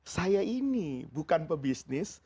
saya ini bukan pebisnis